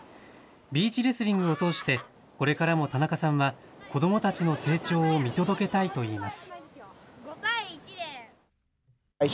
ビーチレスリングを通して、これからも田中さんは、子どもたちの成長を見届けたいといいます。